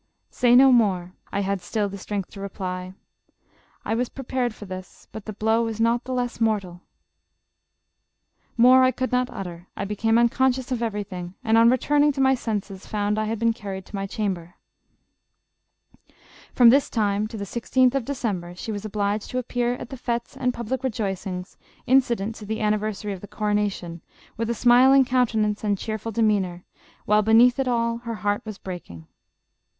' Say no more,' I had still strength to reply, 4 1 was prepared for this, but the blow is not the less mortal.' More I could not utter. I became unconscious of everything, and on returning to my senses, found I had been carried to my chamber." From this time to the 16th of December, she was obliged to appear at the fetes and public rejoicings, in cident to the anniversary of the coronation, with a smiling countenance and cheerful demeanor, while be neath it all, her heart was breaking.